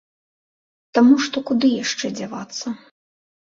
Таму што куды яшчэ дзявацца?